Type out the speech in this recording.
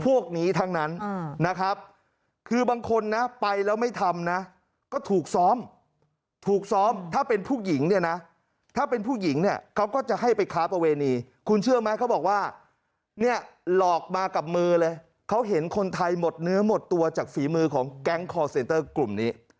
พวกนี้ทั้งนั้นนะครับคือบางคนนะไปแล้วไม่ทำนะก็ถูกซ้อมถูกซ้อมถ้าเป็นผู้หญิงเนี่ยนะถ้าเป็นผู้หญิงเนี่ยเขาก็จะให้ไปค้าประเวณีคุณเชื่อไหมเขาบอกว่าเนี่ยหลอกมากับมือเลยเขาเห็นคนไทยหมดเนื้อหมดตัวจากฝีมือของแก๊งคอร์เซนเตอร์กลุ่มนี้